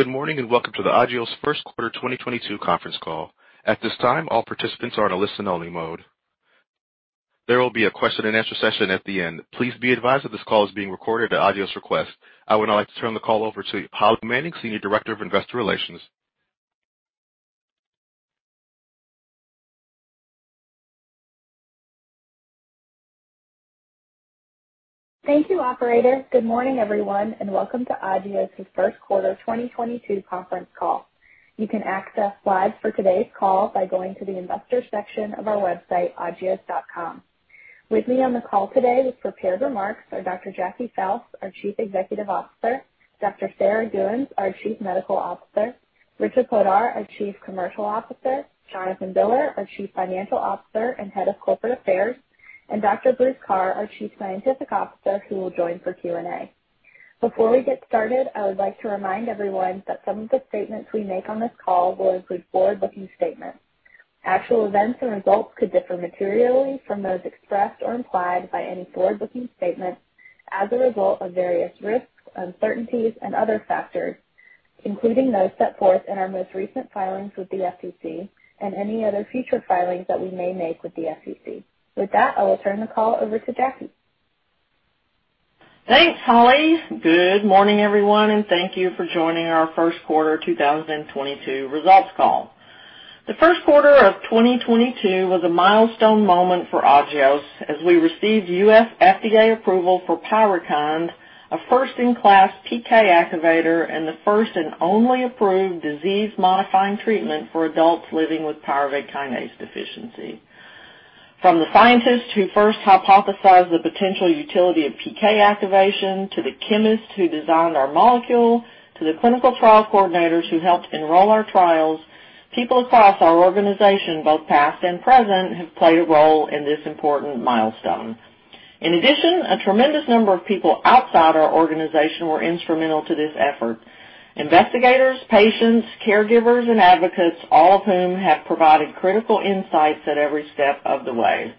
Good morning, and welcome to the Agios First Quarter 2022 Conference Call. At this time, all participants are on a listen-only mode. There will be a question and answer session at the end. Please be advised that this call is being recorded at Agios' request. I would now like to turn the call over to Holly Manning, Senior Director of Investor Relations. Thank you, operator. Good morning, everyone, and welcome to Agios's first quarter 2022 conference call. You can access slides for today's call by going to the investor section of our website, Agios.com. With me on the call today with prepared remarks are Dr. Jackie Fouse, our Chief Executive Officer, Dr. Sarah Gheuens, our Chief Medical Officer, Richa Poddar, our Chief Commercial Officer, Jonathan Biller, our Chief Financial Officer and Head of Corporate Affairs, and Dr. Bruce Car, our Chief Scientific Officer, who will join for Q&A. Before we get started, I would like to remind everyone that some of the statements we make on this call will include forward-looking statements. Actual events and results could differ materially from those expressed or implied by any forward-looking statements as a result of various risks, uncertainties, and other factors, including those set forth in our most recent filings with the SEC and any other future filings that we may make with the SEC. With that, I will turn the call over to Jackie. Thanks, Holly. Good morning, everyone, and thank you for joining our first quarter 2022 results call. The first quarter of 2022 was a milestone moment for Agios as we received U.S. FDA approval for PYRUKYND, a first-in-class PK activator and the first and only approved disease-modifying treatment for adults living with pyruvate kinase deficiency. From the scientists who first hypothesized the potential utility of PK activation, to the chemists who designed our molecule, to the clinical trial coordinators who helped enroll our trials, people across our organization, both past and present, have played a role in this important milestone. In addition, a tremendous number of people outside our organization were instrumental to this effort. Investigators, patients, caregivers, and advocates, all of whom have provided critical insights at every step of the way.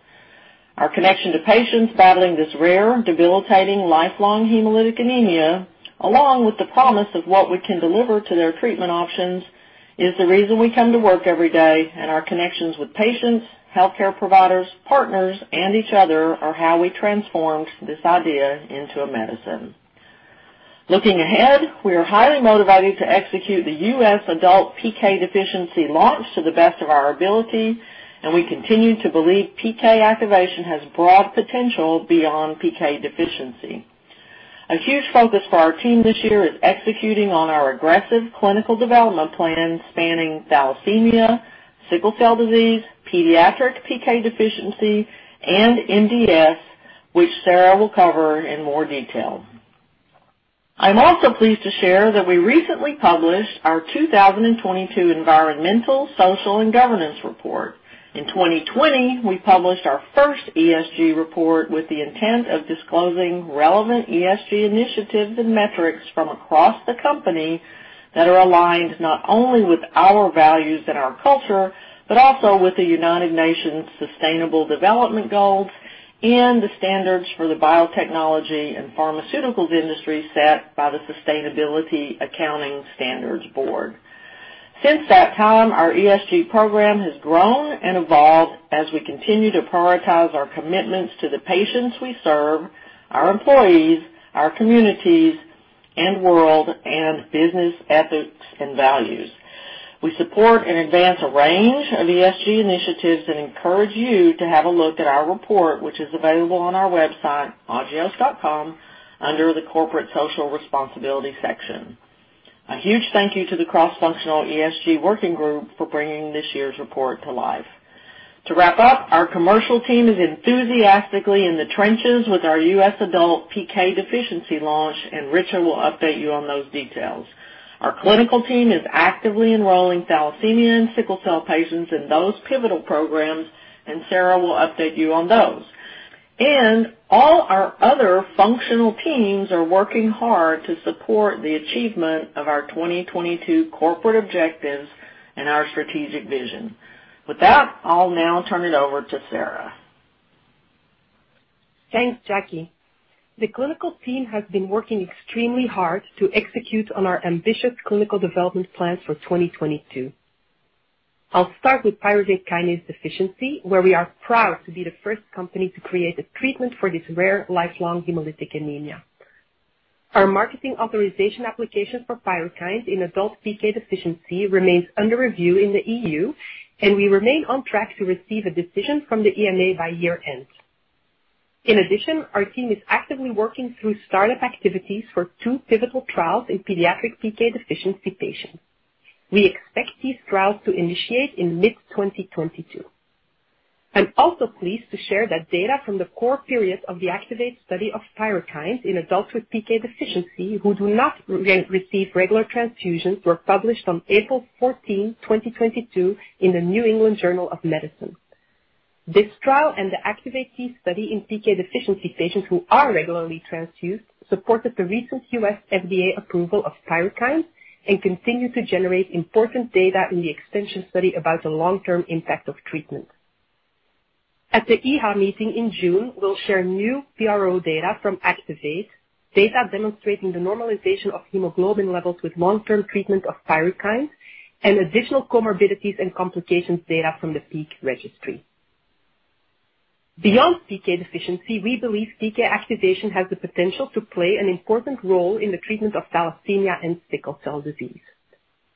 Our connection to patients battling this rare, debilitating, lifelong hemolytic anemia, along with the promise of what we can deliver to their treatment options, is the reason we come to work every day, and our connections with patients, healthcare providers, partners, and each other are how we transformed this idea into a medicine. Looking ahead, we are highly motivated to execute the U.S. adult PK deficiency launch to the best of our ability, and we continue to believe PK activation has broad potential beyond PK deficiency. A huge focus for our team this year is executing on our aggressive clinical development plan spanning thalassemia, sickle cell disease, pediatric PK deficiency, and MDS, which Sarah will cover in more detail. I'm also pleased to share that we recently published our 2022 environmental, social, and governance report. In 2020, we published our first ESG report with the intent of disclosing relevant ESG initiatives and metrics from across the company that are aligned not only with our values and our culture, but also with the United Nations Sustainable Development Goals and the standards for the biotechnology and pharmaceuticals industry set by the Sustainability Accounting Standards Board. Since that time, our ESG program has grown and evolved as we continue to prioritize our commitments to the patients we serve, our employees, our communities and world, and business ethics and values. We support and advance a range of ESG initiatives and encourage you to have a look at our report, which is available on our website, Agios.com, under the Corporate Social Responsibility section. A huge thank you to the cross-functional ESG working group for bringing this year's report to life. To wrap up, our commercial team is enthusiastically in the trenches with our U.S. adult PK deficiency launch, and Richa will update you on those details. Our clinical team is actively enrolling thalassemia and sickle cell patients in those pivotal programs, and Sarah will update you on those. All our other functional teams are working hard to support the achievement of our 2022 corporate objectives and our strategic vision. With that, I'll now turn it over to Sarah. Thanks, Jackie. The clinical team has been working extremely hard to execute on our ambitious clinical development plans for 2022. I'll start with pyruvate kinase deficiency, where we are proud to be the first company to create a treatment for this rare, lifelong hemolytic anemia. Our marketing authorisation application for PYRUKYND in adult PK deficiency remains under review in the EU, and we remain on track to receive a decision from the EMA by year-end. In addition, our team is actively working through start-up activities for two pivotal trials in pediatric PK deficiency patients. We expect these trials to initiate in mid-2022. I'm also pleased to share that data from the core period of the ACTIVATE study of PYRUKYND in adults with PK deficiency who do not receive regular transfusions were published on April 14, 2022 in the New England Journal of Medicine. This trial and the ACTIVATE-T study in PK deficiency patients who are regularly transfused supported the recent U.S. FDA approval of PYRUKYND and continue to generate important data in the extension study about the long-term impact of treatment. At the EHA meeting in June, we'll share new PRO data from ACTIVATE, data demonstrating the normalization of hemoglobin levels with long-term treatment of PYRUKYND, and additional comorbidities and complications data from the PEAK Registry. Beyond PK deficiency, we believe PK activation has the potential to play an important role in the treatment of thalassemia and sickle cell disease.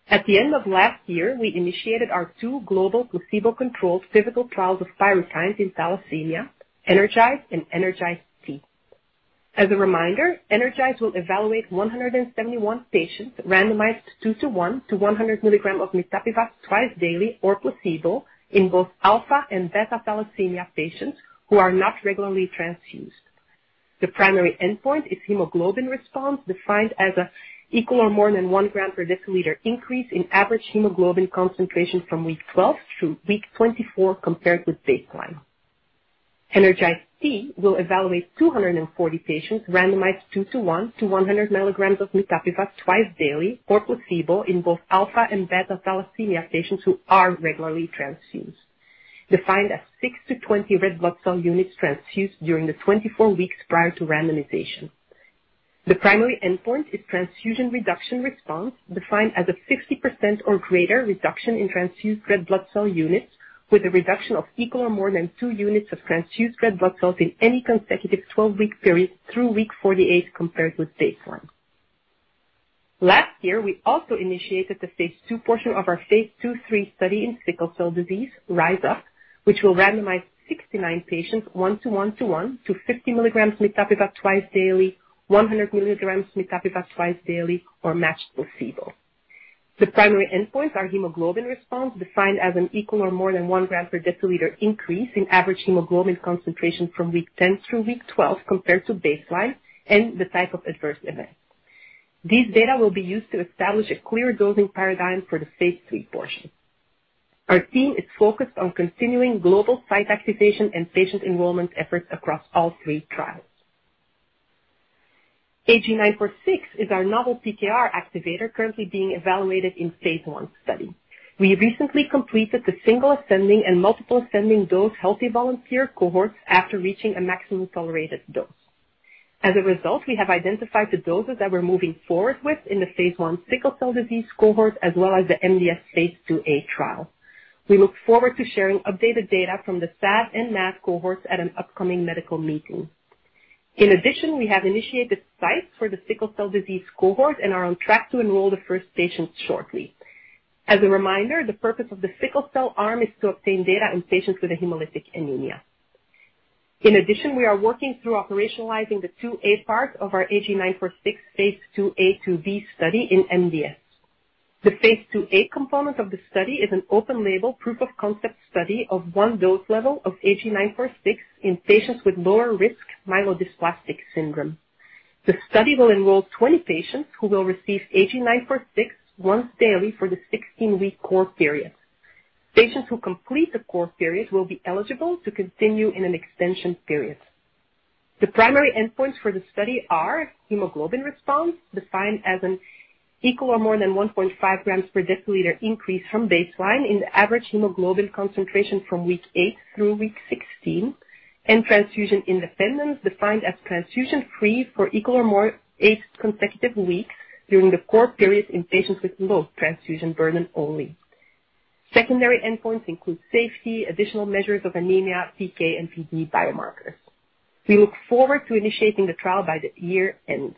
At the end of last year, we initiated our two global placebo-controlled pivotal trials of PYRUKYND in thalassemia, ENERGIZE and ENERGIZE-T. As a reminder, ENERGIZE will evaluate 171 patients randomized 2:1 to 100 mg of mitapivat twice daily or placebo in both alpha and beta thalassemia patients who are not regularly transfused. The primary endpoint is hemoglobin response, defined as an equal to or more than 1 g/dL increase in average hemoglobin concentration from week 12 through week 24 compared with baseline. ENERGIZE-T will evaluate 240 patients randomized 2:1 to 100 mg of mitapivat twice daily or placebo in both alpha and beta thalassemia patients who are regularly transfused, defined as 6-20 red blood cell units transfused during the 24 weeks prior to randomization. The primary endpoint is transfusion reduction response, defined as a 60% or greater reduction in transfused red blood cell units, with a reduction of equal or more than two units of transfused red blood cells in any consecutive 12-week period through week 48 compared with baseline. Last year, we also initiated the phase II portion of our phase II/III study in sickle cell disease, RISE UP, which will randomize 69 patients 1:1:1 to 50 mg mitapivat twice daily, 100 mg mitapivat twice daily or matched placebo. The primary endpoints are hemoglobin response, defined as an equal or more than 1 g/dL increase in average hemoglobin concentration from week 10 through week 12 compared to baseline, and the type of adverse events. These data will be used to establish a clear dosing paradigm for the phase III portion. Our team is focused on continuing global site activation and patient enrollment efforts across all three trials. AG-946 is our novel PKR activator currently being evaluated in phase I study. We recently completed the single ascending and multiple ascending dose healthy volunteer cohorts after reaching a maximum tolerated dose. As a result, we have identified the doses that we're moving forward with in the phase I sickle cell disease cohort as well as the MDS phase II-A trial. We look forward to sharing updated data from the SAD and MAD cohorts at an upcoming medical meeting. In addition, we have initiated sites for the sickle cell disease cohort and are on track to enroll the first patients shortly. As a reminder, the purpose of the sickle cell arm is to obtain data in patients with a hemolytic anemia. In addition, we are working through operationalizing the II-A part of our AG946 phase II-A/II-B study in MDS. The phase II-A component of the study is an open label proof of concept study of one dose level of AG946 in patients with lower risk myelodysplastic syndrome. The study will enroll 20 patients who will receive AG946 once daily for the 16-week core period. Patients who complete the core period will be eligible to continue in an extension period. The primary endpoints for the study are hemoglobin response, defined as an equal or more than 1.5 g/dL increase from baseline in the average hemoglobin concentration from week 8 through week 16, and transfusion independence, defined as transfusion-free for equal or more than 8 consecutive weeks during the core period in patients with low transfusion burden only. Secondary endpoints include safety, additional measures of anemia, PK, and PD biomarkers. We look forward to initiating the trial by the year-end.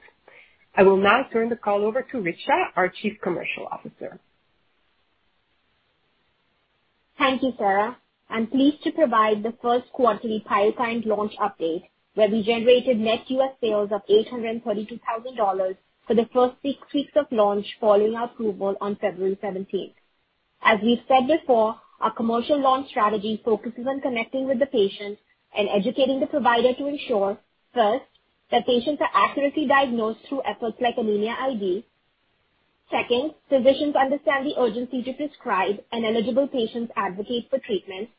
I will now turn the call over to Richa, our Chief Commercial Officer. Thank you, Sarah. I'm pleased to provide the first quarterly PYRUKYND launch update, where we generated net U.S. sales of $832,000 for the first six weeks of launch following our approval on February seventeenth. As we've said before, our commercial launch strategy focuses on connecting with the patient and educating the provider to ensure, first, that patients are accurately diagnosed through efforts like Anemia ID. Second, physicians understand the urgency to prescribe, and eligible patients advocate for treatment.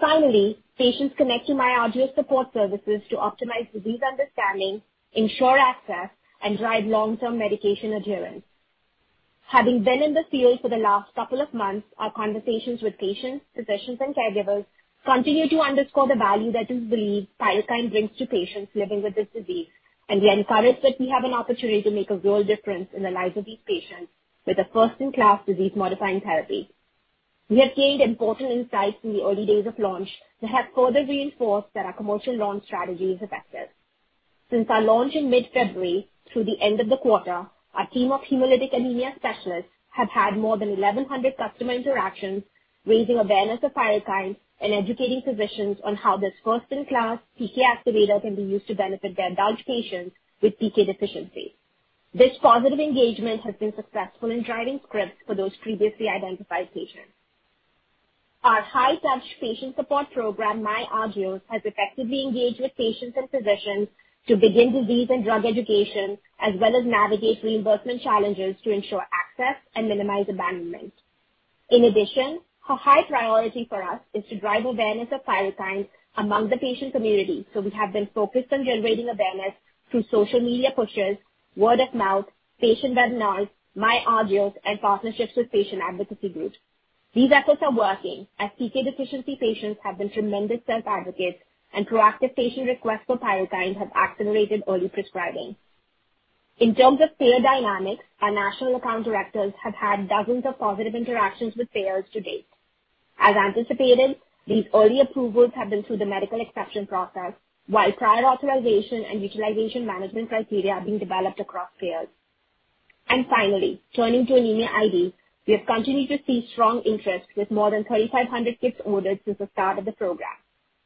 Finally, patients connect to myAgios support services to optimize disease understanding, ensure access, and drive long-term medication adherence. Having been in the field for the last couple of months, our conversations with patients, physicians, and caregivers continue to underscore the value that is believed PYRUKYND brings to patients living with this disease, and we are encouraged that we have an opportunity to make a real difference in the lives of these patients with a first-in-class disease-modifying therapy. We have gained important insights in the early days of launch that have further reinforced that our commercial launch strategy is effective. Since our launch in mid-February through the end of the quarter, our team of hemolytic anemia specialists have had more than 1,100 customer interactions, raising awareness of PYRUKYND and educating physicians on how this first-in-class PK activator can be used to benefit their adult patients with PK deficiency. This positive engagement has been successful in driving scripts for those previously identified patients. Our high-touch patient support program, myAgios, has effectively engaged with patients and physicians to begin disease and drug education as well as navigate reimbursement challenges to ensure access and minimize abandonment. In addition, a high priority for us is to drive awareness of PYRUKYND among the patient community. We have been focused on generating awareness through social media pushes, word of mouth, patient webinars, myAgios, and partnerships with patient advocacy groups. These efforts are working as PK deficiency patients have been tremendous self-advocates and proactive patient requests for PYRUKYND have accelerated early prescribing. In terms of payer dynamics, our national account directors have had dozens of positive interactions with payers to date. As anticipated, these early approvals have been through the medical exception process, while prior authorization and utilization management criteria are being developed across payers. Finally, turning to Anemia ID, we have continued to see strong interest with more than 3,500 kits ordered since the start of the program.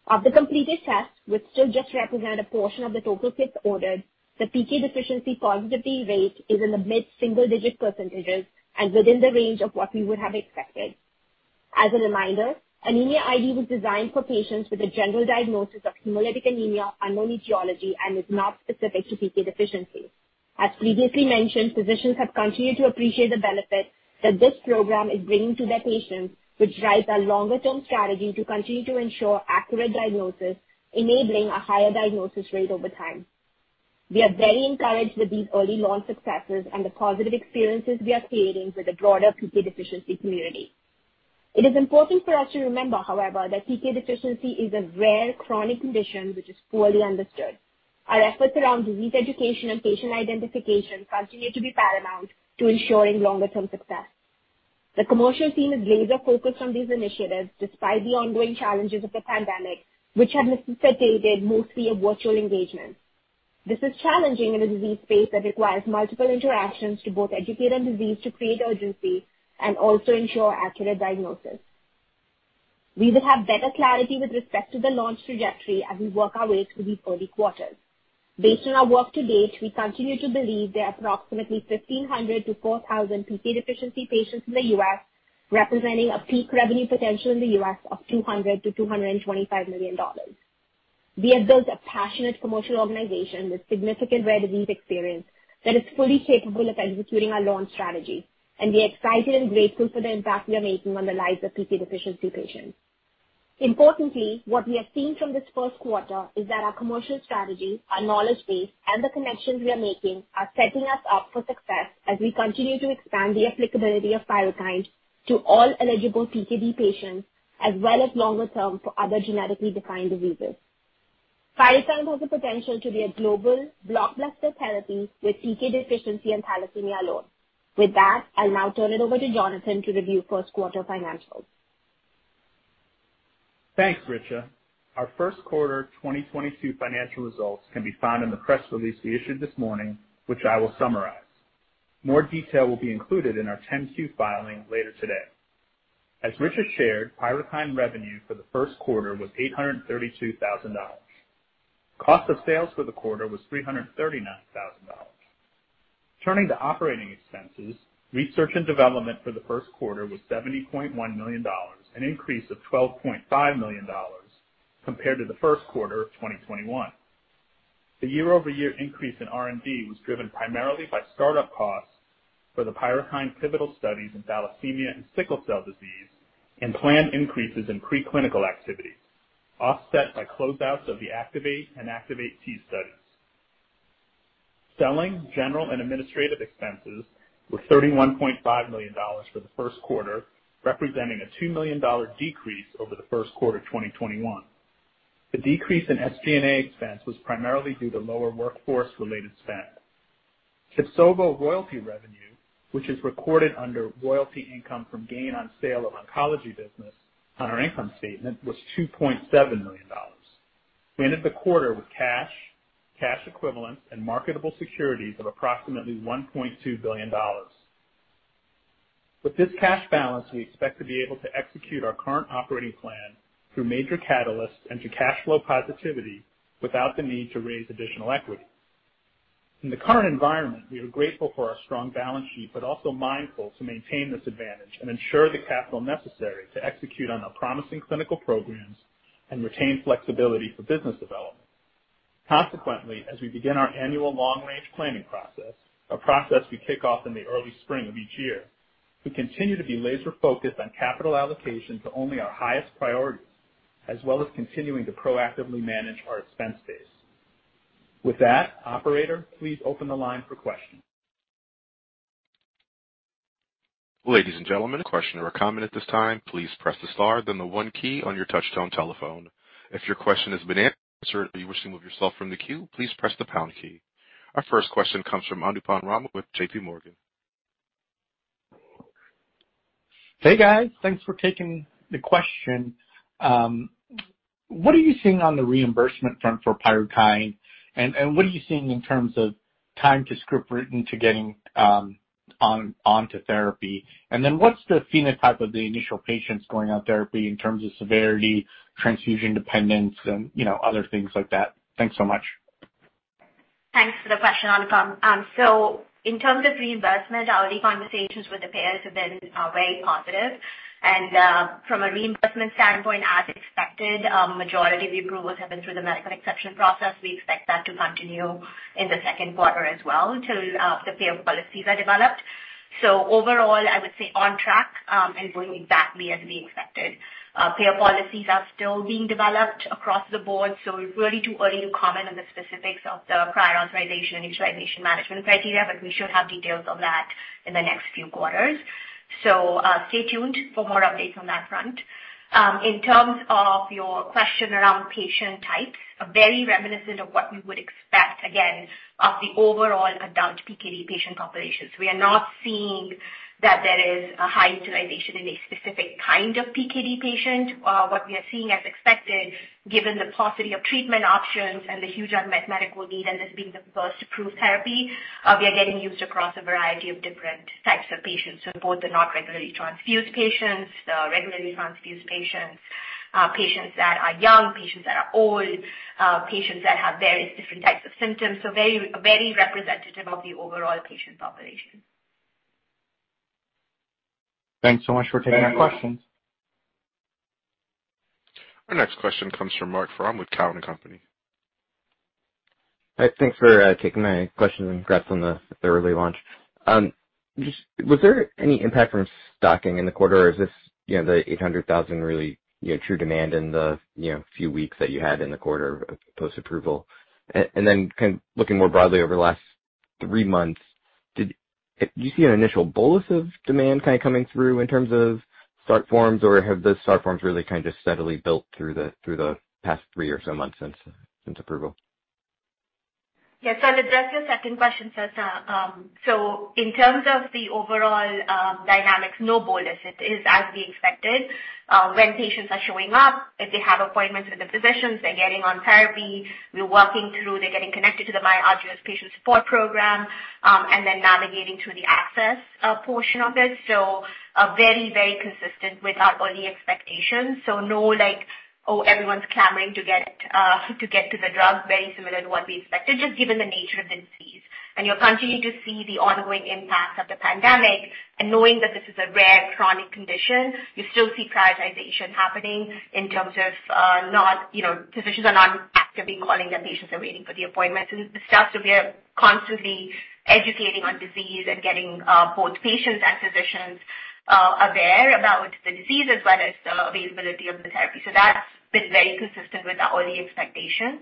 Of the completed tests, which still just represent a portion of the total kits ordered, the PK deficiency positivity rate is in the mid-single-digit percentages and within the range of what we would have expected. As a reminder, Anemia ID was designed for patients with a general diagnosis of hemolytic anemia, unknown etiology, and is not specific to PK deficiency. As previously mentioned, physicians have continued to appreciate the benefit that this program is bringing to their patients, which drives our longer-term strategy to continue to ensure accurate diagnosis, enabling a higher diagnosis rate over time. We are very encouraged with these early launch successes and the positive experiences we are creating with the broader PK deficiency community. It is important for us to remember, however, that PK deficiency is a rare chronic condition which is poorly understood. Our efforts around disease education and patient identification continue to be paramount to ensuring longer-term success. The commercial team is laser-focused on these initiatives despite the ongoing challenges of the pandemic, which have necessitated mostly a virtual engagement. This is challenging in a disease space that requires multiple interactions to both educate on disease to create urgency and also ensure accurate diagnosis. We will have better clarity with respect to the launch trajectory as we work our way through these early quarters. Based on our work to date, we continue to believe there are approximately 1,500-4,000 PK deficiency patients in the U.S., representing a peak revenue potential in the U.S. of $200-225 million. We have built a passionate commercial organization with significant rare disease experience that is fully capable of executing our launch strategy, and we are excited and grateful for the impact we are making on the lives of PK deficiency patients. Importantly, what we have seen from this first quarter is that our commercial strategy, our knowledge base, and the connections we are making are setting us up for success as we continue to expand the applicability of PYRUKYND to all eligible PKD patients, as well as longer term for other genetically defined diseases. PYRUKYND has the potential to be a global blockbuster therapy with PK deficiency and thalassemia alone. With that, I'll now turn it over to Jonathan to review first quarter financials. Thanks, Richa. Our first quarter 2022 financial results can be found in the press release we issued this morning, which I will summarize. More detail will be included in our 10-Q filing later today. As Richa shared, PYRUKYND revenue for the first quarter was $832,000. Cost of sales for the quarter was $339,000. Turning to operating expenses, research and development for the first quarter was $70.1 million, an increase of $12.5 million compared to the first quarter of 2021. The year-over-year increase in R&D was driven primarily by start-up costs for the PYRUKYND pivotal studies in thalassemia and sickle cell disease and planned increases in preclinical activity, offset by closeouts of the ACTIVATE and ACTIVATE-T studies. Selling, general and administrative expenses were $31.5 million for the first quarter, representing a $2 million decrease over the first quarter of 2021. The decrease in SG&A expense was primarily due to lower workforce-related spend. TIBSOVO royalty revenue, which is recorded under royalty income from gain on sale of oncology business on our income statement, was $2.7 million. We ended the quarter with cash equivalents and marketable securities of approximately $1.2 billion. With this cash balance, we expect to be able to execute our current operating plan through major catalysts and to cash flow positivity without the need to raise additional equity. In the current environment, we are grateful for our strong balance sheet, but also mindful to maintain this advantage and ensure the capital necessary to execute on our promising clinical programs and retain flexibility for business development. Consequently, as we begin our annual long-range planning process, a process we kick off in the early spring of each year, we continue to be laser-focused on capital allocation to only our highest priorities, as well as continuing to proactively manage our expense base. With that, operator, please open the line for questions. Ladies and gentlemen, a question or comment at this time, please press the star then the one key on your touchtone telephone. If your question has been answered, you wish to move yourself from the queue, please press the pound key. Our first question comes from Anupam Rama with JPMorgan. Hey, guys. Thanks for taking the question. What are you seeing on the reimbursement front for PYRUKYND? And what are you seeing in terms of time to script written to getting on therapy? And then what's the phenotype of the initial patients going on therapy in terms of severity, transfusion dependence and, you know, other things like that? Thanks so much. Thanks for the question, Anupam. In terms of reimbursement, our conversations with the payers have been very positive. From a reimbursement standpoint, as expected, majority of the approvals have been through the medical exception process. We expect that to continue in the second quarter as well till the payer policies are developed. Overall, I would say on track and going exactly as we expected. Payer policies are still being developed across the board, so we're really too early to comment on the specifics of the prior authorization and utilization management criteria, but we should have details on that in the next few quarters. Stay tuned for more updates on that front. In terms of your question around patient types, very reminiscent of what we would expect, again, of the overall adult PKD patient population. We are not seeing that there is a high utilization in a specific kind of PKD patient. What we are seeing as expected, given the paucity of treatment options and the huge unmet medical need and this being the first approved therapy, we are getting used across a variety of different types of patients. Both the not regularly transfused patients, regularly transfused patients that are young, patients that are old, patients that have various different types of symptoms. Very, very representative of the overall patient population. Thanks so much for taking our questions. Our next question comes from Marc Frahm with Cowen and Company. Hi. Thanks for taking my question, and congrats on the early launch. Just was there any impact from stocking in the quarter, or is this, you know, the $800,000 really, you know, true demand in the, you know, few weeks that you had in the quarter post-approval? Kind of looking more broadly over the last three months, do you see an initial bolus of demand kind of coming through in terms of start forms, or have the start forms really kind of just steadily built through the past three or so months since approval? Yes. I'll address your second question first. In terms of the overall dynamics, no bolus. It is as we expected. When patients are showing up, if they have appointments with the physicians, they're getting on therapy, we're working through, they're getting connected to the myAgios patient support program, and then navigating through the access portion of it. Very, very consistent with our early expectations. No like, oh, everyone's clamoring to get to the drug. Very similar to what we expected, just given the nature of disease. You'll continue to see the ongoing impact of the pandemic. Knowing that this is a rare chronic condition, you still see prioritization happening in terms of, not, you know, physicians are not actively calling their patients. They're waiting for the appointments and stuff. We are constantly educating on disease and getting both patients and physicians aware about the disease as well as the availability of the therapy. That's been very consistent with our early expectations.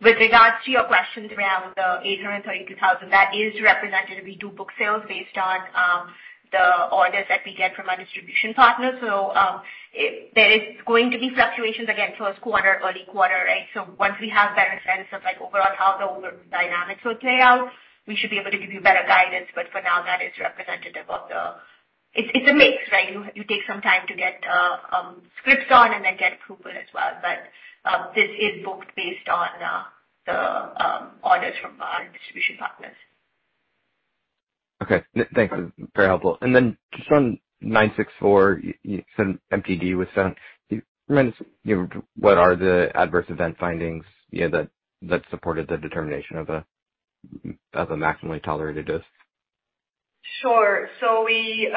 With regards to your questions around the $832,000, that is representative. We do book sales based on the orders that we get from our distribution partners. There is going to be fluctuations again first quarter, early quarter, right? Once we have better sense of like overall how the overall dynamics will play out, we should be able to give you better guidance. For now, that is representative of the. It's a mix, right? You take some time to get scripts on and then get approval as well. This is booked based on the orders from our distribution partners. Okay. Thanks. Very helpful. Just on AG-946, you said MTD was found. Can you remind us, you know, what are the adverse event findings, you know, that supported the determination of a maximally tolerated dose? Sure. We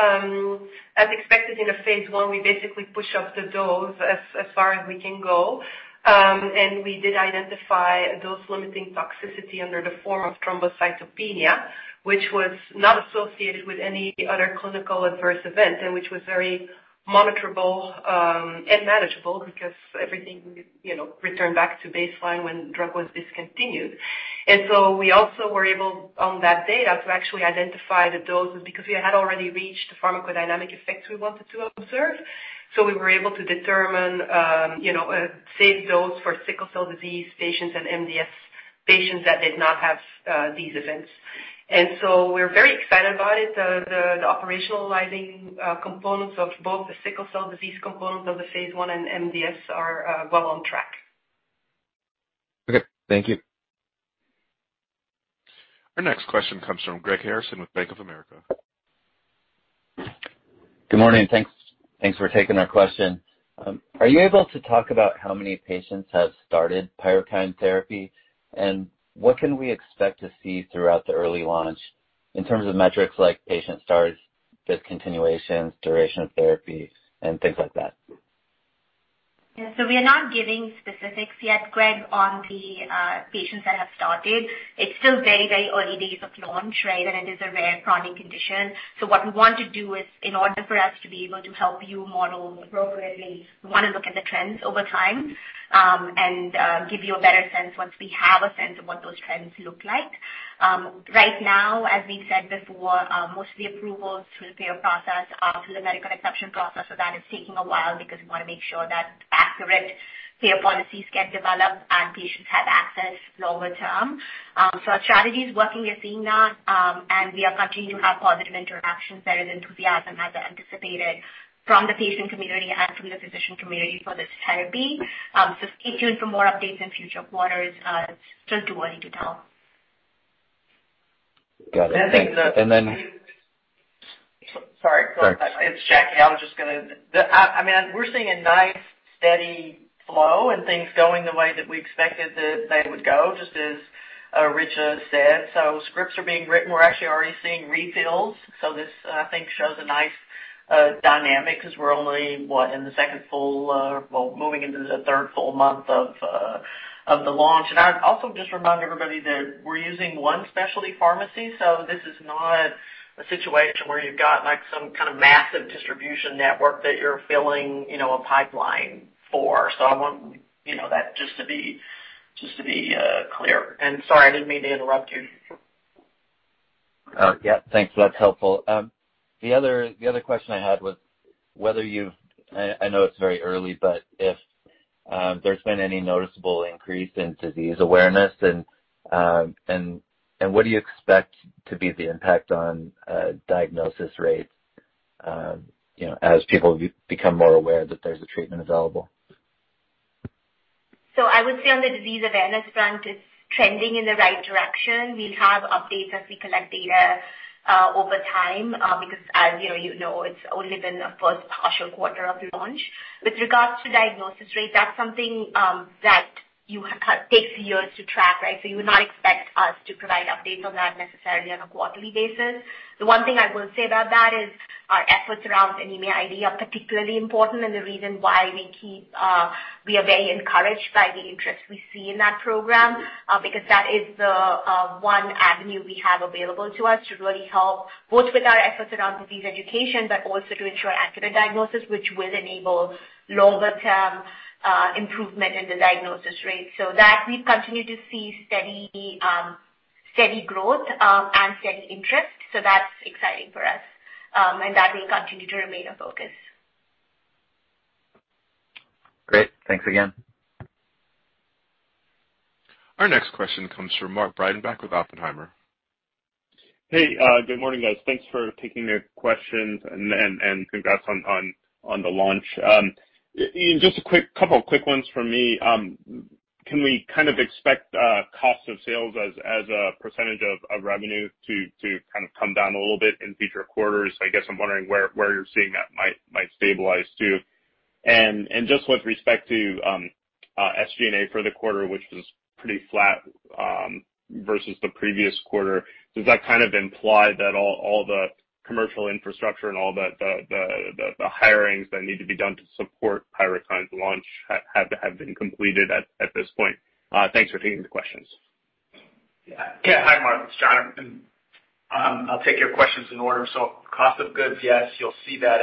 as expected in a phase I basically push up the dose as far as we can go. We did identify dose-limiting toxicity in the form of thrombocytopenia, which was not associated with any other clinical adverse event and which was very monitorable and manageable because everything, you know, returned back to baseline when drug was discontinued. We also were able, on that data, to actually identify the doses because we had already reached the pharmacodynamic effects we wanted to observe. We were able to determine, you know, a safe dose for sickle cell disease patients and MDS patients that did not have these events. We're very excited about it. The operationalizing components of both the sickle cell disease component of the phase I and MDS are well on track. Okay. Thank you. Our next question comes from Greg Harrison with Bank of America. Good morning. Thanks. Thanks for taking our question. Are you able to talk about how many patients have started PYRUKYND therapy? What can we expect to see throughout the early launch in terms of metrics like patient starts, discontinuations, duration of therapy, and things like that? Yeah. We are not giving specifics yet, Greg, on the patients that have started. It's still very, very early days of launch, right? It is a rare chronic condition. What we want to do is in order for us to be able to help you model appropriately, we wanna look at the trends over time, and give you a better sense once we have a sense of what those trends look like. Right now, as we've said before, mostly approvals through the payer process, through the medical exception process. That is taking a while because we wanna make sure that accurate payer policies get developed and patients have access longer term. Our strategy is working. We're seeing that, and we are continuing to have positive interactions, better-than-anticipated enthusiasm from the patient community and from the physician community for this therapy. Stay tuned for more updates in future quarters. It's still too early to tell. Got it. Thanks. Sorry. Go ahead. It's Jackie. I mean, we're seeing a nice steady flow and things going the way that we expected that they would go, just as Richa said. Scripts are being written. We're actually already seeing refills. This, I think, shows a nice dynamic because we're only, what, in the second full well, moving into the third full month of the launch. I'd also just remind everybody that we're using one specialty pharmacy. This is not a situation where you've got, like, some kind of massive distribution network that you're filling, you know, a pipeline for. I want, you know, that just to be Just to be clear. Sorry, I didn't mean to interrupt you. Yeah, thanks. That's helpful. The other question I had was, I know it's very early, but if there's been any noticeable increase in disease awareness and what do you expect to be the impact on diagnosis rates, you know, as people become more aware that there's a treatment available? I would say on the disease awareness front, it's trending in the right direction. We'll have updates as we collect data over time because as you know, it's only been a first partial quarter of launch. With regards to diagnosis rate, that's something that takes years to track, right? You would not expect us to provide updates on that necessarily on a quarterly basis. The one thing I will say about that is our efforts around Anemia ID are particularly important and the reason why we are very encouraged by the interest we see in that program because that is the one avenue we have available to us to really help both with our efforts around disease education, but also to ensure accurate diagnosis, which will enable longer-term improvement in the diagnosis rate. That we continue to see steady growth, and steady interest. That's exciting for us. That will continue to remain a focus. Great. Thanks again. Our next question comes from Mark Breidenbach with Oppenheimer. Hey, good morning, guys. Thanks for taking the questions and congrats on the launch. You know, just a quick couple of quick ones from me. Can we kind of expect cost of sales as a percentage of revenue to kind of come down a little bit in future quarters? I guess I'm wondering where you're seeing that might stabilize to. Just with respect to SG&A for the quarter, which was pretty flat versus the previous quarter, does that kind of imply that all the commercial infrastructure and all the hirings that need to be done to support PYRUKYND's launch have been completed at this point? Thanks for taking the questions. Yeah. Hi, Mark. It's Jonathan. I'll take your questions in order. Cost of goods, yes, you'll see that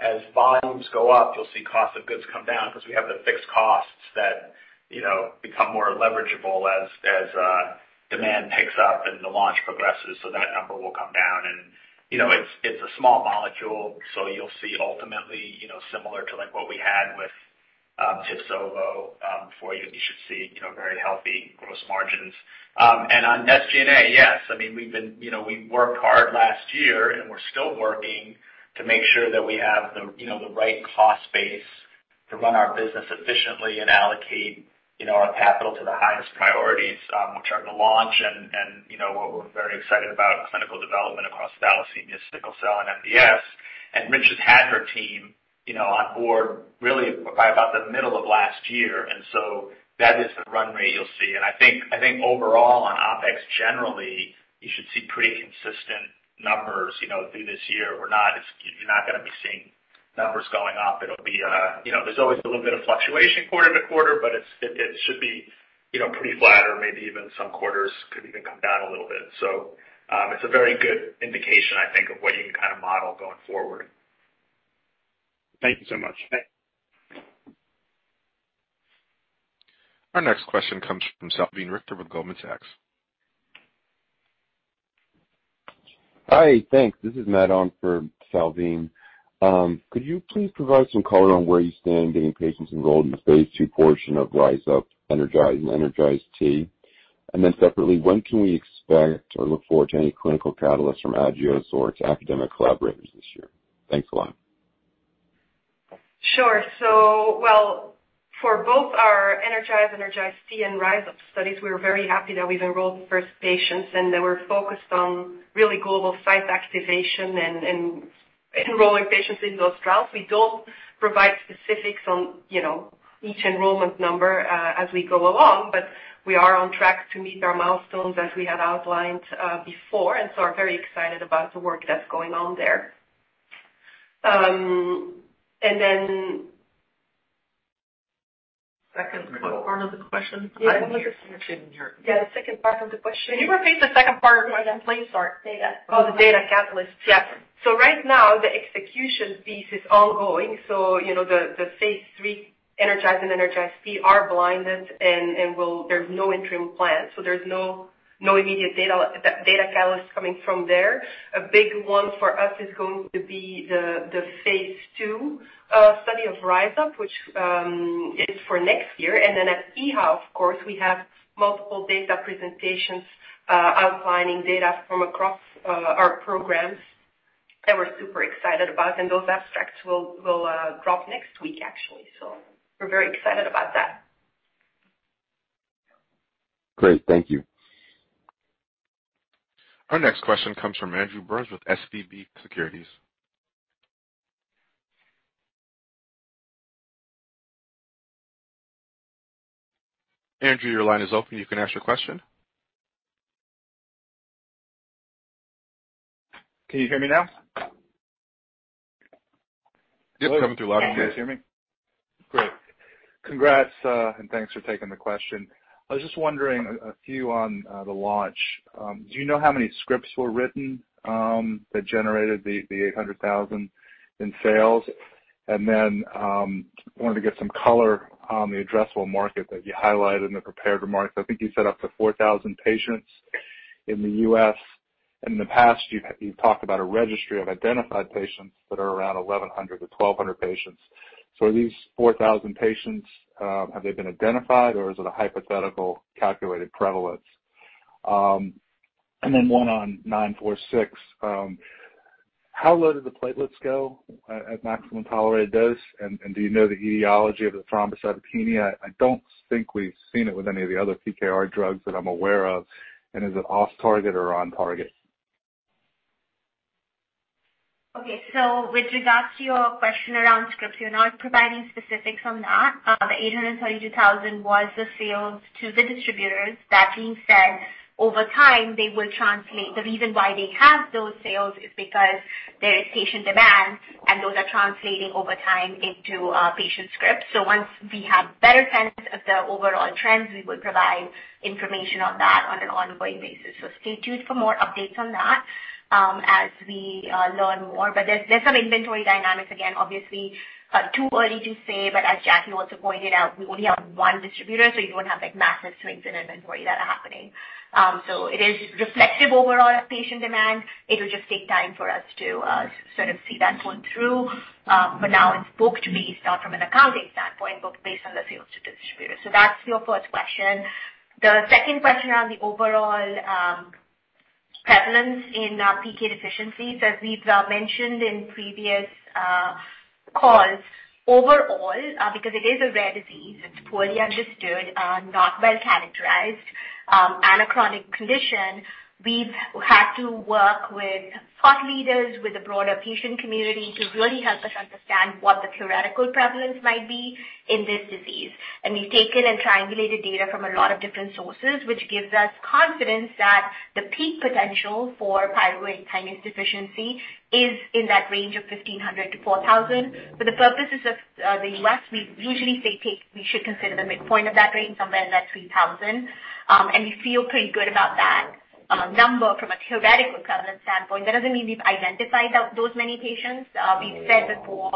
as volumes go up, you'll see cost of goods come down because we have the fixed costs that, you know, become more leverageable as demand picks up and the launch progresses, so that number will come down. You know, it's a small molecule, so you'll see ultimately, you know, similar to, like, what we had with TIBSOVO, for you should see, you know, very healthy gross margins. On SG&A, yes. I mean, we've been, you know, we worked hard last year, and we're still working to make sure that we have the, you know, the right cost base to run our business efficiently and allocate, you know, our capital to the highest priorities, which are the launch and, you know, what we're very excited about, clinical development across thalassemia, sickle cell and MDS. Rich has had her team, you know, on board really by about the middle of last year. That is the run rate you'll see. I think overall on OpEx generally, you should see pretty consistent numbers, you know, through this year. You're not gonna be seeing numbers going up. It'll be, you know, there's always a little bit of fluctuation quarter-to-quarter, but it should be, you know, pretty flat or maybe even some quarters could even come down a little bit. It's a very good indication, I think, of what you can kinda model going forward. Thank you so much. Thanks. Our next question comes from Salveen Richter with Goldman Sachs. Hi. Thanks. This is Matt on for Salveen. Could you please provide some color on where you stand getting patients enrolled in the phase II portion of RISE UP, ENERGIZE and ENERGIZE-T? Separately, when can we expect or look forward to any clinical catalysts from Agios or its academic collaborators this year? Thanks a lot. Well, for both our ENERGIZE-T and RISE UP studies, we're very happy that we've enrolled the first patients, and they were focused on really global site activation and enrolling patients in those trials. We don't provide specifics on, you know, each enrollment number as we go along, but we are on track to meet our milestones as we had outlined before, and so are very excited about the work that's going on there. Second part of the question? Yeah. I don't hear. Can you repeat the second part of the question? Yeah. Sorry. Data. Oh, the data catalyst. Yeah. Right now, the execution piece is ongoing. You know, the phase III ENERGIZE and ENERGIZE-T are blinded and. There's no interim plan. There's no immediate data catalyst coming from there. A big one for us is going to be the phase II study of RISE UP, which is for next year. Then at EHA, of course, we have multiple data presentations outlining data from across our programs that we're super excited about. Those abstracts will drop next week, actually. We're very excited about that. Great. Thank you. Our next question comes from Andrew Berens with SVB Securities. Andrew, your line is open. You can ask your question. Can you hear me now? Yes, coming through loud and clear. Can you guys hear me? Great. Congrats, and thanks for taking the question. I was just wondering a few on the launch. Do you know how many scripts were written that generated the $800,000 in sales? Wanted to get some color on the addressable market that you highlighted in the prepared remarks. I think you said up to 4,000 patients in the U.S. In the past, you talked about a registry of identified patients that are around 1,100-1,200 patients. So these 4,000 patients, have they been identified or is it a hypothetical calculated prevalence? One on AG-946. How low did the platelets go at maximum tolerated dose? Do you know the etiology of the thrombocytopenia? I don't think we've seen it with any of the other PKR drugs that I'm aware of. Is it off target or on target? Okay. With regards to your question around scripts, we're not providing specifics on that. The $832,000 was the sales to the distributors. That being said, over time, they will translate. The reason why they have those sales is because there is patient demand, and those are translating over time into patient scripts. Once we have better sense of the overall trends, we will provide information on that on an ongoing basis. Stay tuned for more updates on that, as we learn more. There's some inventory dynamics. Again, obviously, too early to say, but as Jackie also pointed out, we only have one distributor, so you don't have, like, massive swings in inventory that are happening. It is reflective overall of patient demand. It will just take time for us to sort of see that pull through. Now it's booked based on, from an accounting standpoint, the sales to distributors. That's your first question. The second question around the overall prevalence in PK deficiencies, as we've mentioned in previous calls, overall, because it is a rare disease, it's poorly understood, not well-characterized, and a chronic condition, we've had to work with thought leaders, with the broader patient community to really help us understand what the theoretical prevalence might be in this disease. We've taken and triangulated data from a lot of different sources, which gives us confidence that the peak potential for pyruvate kinase deficiency is in that range of 1,500-4,000. For the purposes of the U.S., we usually say PK. We should consider the midpoint of that range somewhere in that 3,000. We feel pretty good about that number from a theoretical prevalence standpoint. That doesn't mean we've identified those many patients. We've said before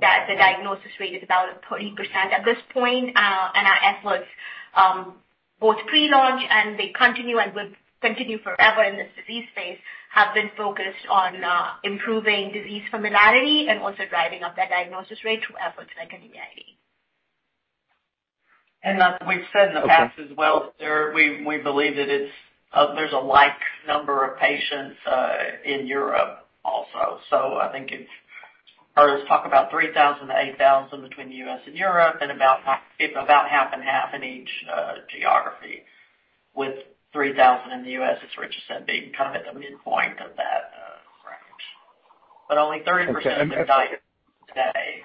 that the diagnosis rate is about 30% at this point. Our efforts, both pre-launch and they continue and will continue forever in this disease space, have been focused on improving disease familiarity and also driving up that diagnosis rate through efforts like Anemia ID. We've said in the past as well, we believe that there's a large number of patients in Europe also. I always talk about 3,000-8,000 between the U.S. and Europe and about half and half in each geography, with 3,000 in the U.S., as Richa said, being kind of at the midpoint of that range. Only 30%- Okay. are diagnosed today.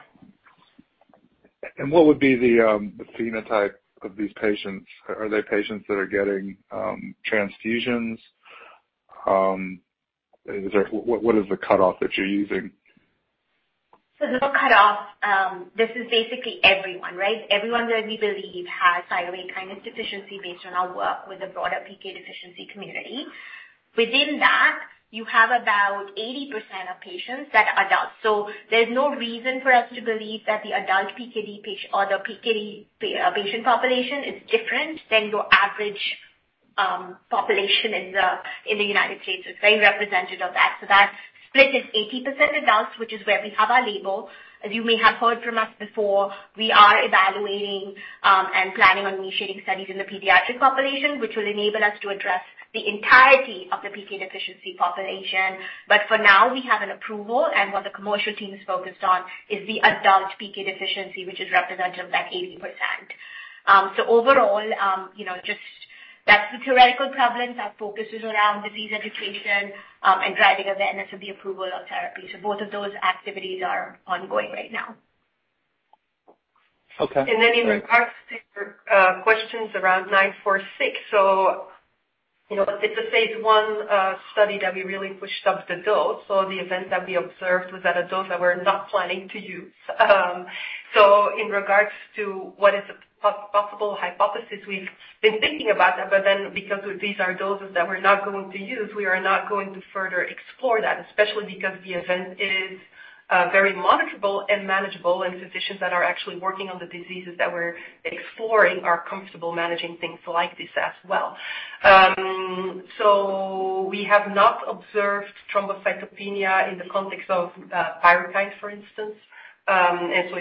What would be the phenotype of these patients? Are they patients that are getting transfusions? What is the cutoff that you're using? There's no cutoff. This is basically everyone, right? Everyone that we believe has pyruvate kinase deficiency based on our work with the broader PK deficiency community. Within that, you have about 80% of patients that are adults. There's no reason for us to believe that the adult PKD or the PKD patient population is different than your average population in the United States. It's very representative of that. That split is 80% adults, which is where we have our label. As you may have heard from us before, we are evaluating and planning on initiating studies in the pediatric population, which will enable us to address the entirety of the PK deficiency population. For now, we have an approval, and what the commercial team is focused on is the adult PK deficiency, which is representative of that 80%. Overall, you know, just that's the theoretical prevalence. Our focus is around disease education, and driving awareness of the approval of therapy. Both of those activities are ongoing right now. Okay. In regards to questions around AG-946. You know, it's a phase I study that we really pushed up the dose. The event that we observed was at a dose that we're not planning to use. In regards to what is a possible hypothesis, we've been thinking about that. Because these are doses that we're not going to use, we are not going to further explore that, especially because the event is very monitorable and manageable, and physicians that are actually working on the diseases that we're exploring are comfortable managing things like this as well. We have not observed thrombocytopenia in the context of PYRUKYND, for instance.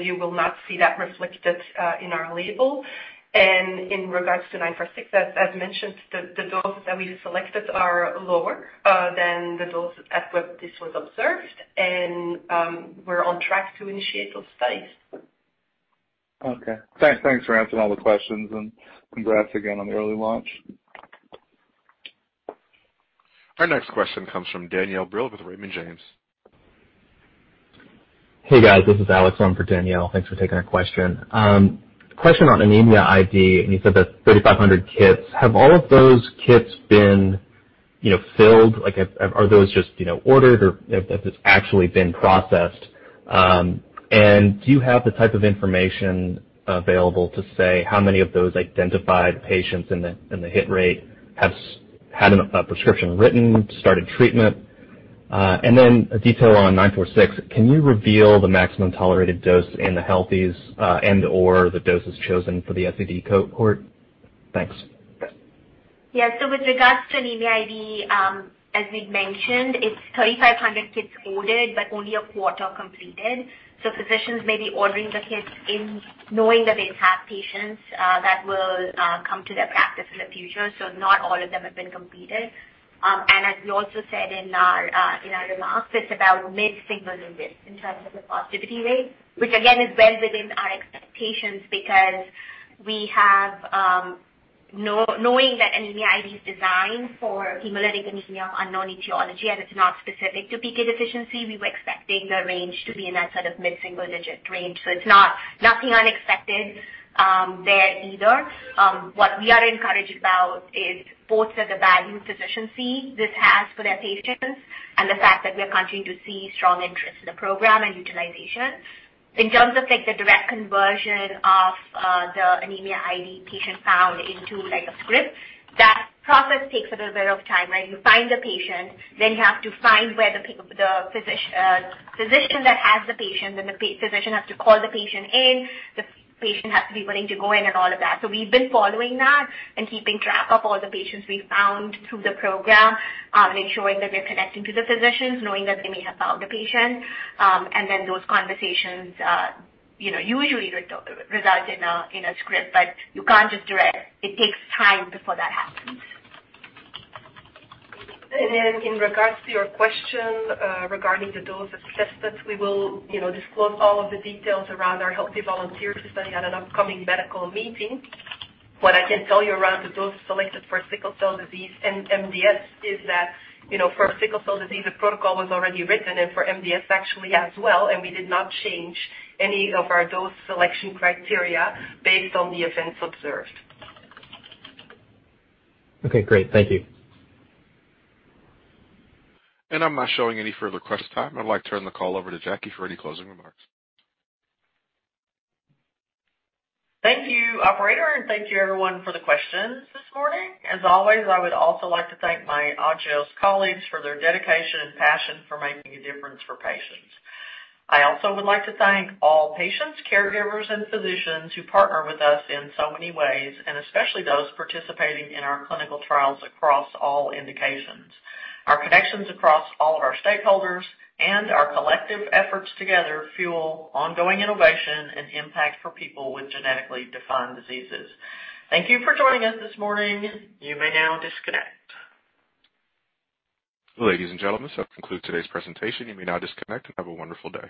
You will not see that reflected in our label. In regards to AG-946, as mentioned, the doses that we selected are lower than the doses at which this was observed, and we're on track to initiate those studies. Okay. Thanks. Thanks for answering all the questions and congrats again on the early launch. Our next question comes from Danielle Brill with Raymond James. Hey, guys. This is Alex on for Danielle. Thanks for taking our question. Question on Anemia ID, and you said that's 3,500 kits. Have all of those kits been, you know, filled? Like, have... Are those just, you know, ordered or if it's actually been processed? And do you have the type of information available to say how many of those identified patients in the hit rate have had a prescription written, started treatment. And then a detail on AG-946. Can you reveal the maximum tolerated dose in the healthies, and/or the doses chosen for the SAD cohort? Thanks. Yeah. With regards to Anemia ID, as we'd mentioned, it's 3,500 kits ordered, but only a quarter completed. Physicians may be ordering the kits in knowing that they have patients that will come to their practice in the future. Not all of them have been completed. And as we also said in our remarks, it's about mid-single digits in terms of the positivity rate, which again is well within our expectations because we have knowing that Anemia ID is designed for hemolytic anemia of unknown etiology, and it's not specific to PK deficiency, we were expecting the range to be in that sort of mid-single digit range. It's not nothing unexpected there either. What we are encouraged about is both that the value physicians see this has for their patients and the fact that we are continuing to see strong interest in the program and utilization. In terms of, like, the direct conversion of, the Anemia ID patient found into, like, a script, that process takes a little bit of time, right? You find the patient, then you have to find where the physician that has the patient, then the physician has to call the patient in. The patient has to be willing to go in and all of that. We've been following that and keeping track of all the patients we found through the program, and ensuring that we're connecting to the physicians, knowing that they may have found a patient. Those conversations, you know, usually result in a script, but you can't just direct. It takes time before that happens. In regards to your question, regarding the dose assessments, we will, you know, disclose all of the details around our healthy volunteer study at an upcoming medical meeting. What I can tell you around the dose selected for sickle cell disease and MDS is that, you know, for sickle cell disease, the protocol was already written, and for MDS actually as well, and we did not change any of our dose selection criteria based on the events observed. Okay, great. Thank you. I'm not showing any further question time. I'd like to turn the call over to Jackie for any closing remarks. Thank you, operator, and thank you everyone for the questions this morning. As always, I would also like to thank my Agios colleagues for their dedication and passion for making a difference for patients. I also would like to thank all patients, caregivers, and physicians who partner with us in so many ways, and especially those participating in our clinical trials across all indications. Our connections across all of our stakeholders and our collective efforts together fuel ongoing innovation and impact for people with genetically defined diseases. Thank you for joining us this morning. You may now disconnect. Ladies and gentlemen, this will conclude today's presentation. You may now disconnect and have a wonderful day.